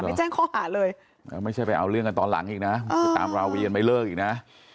แจ้งข้อหาเลยไม่ใช่ไปเอาเรื่องกันตอนหลังอีกนะคือตามราวียังไม่เลิกอีกนะ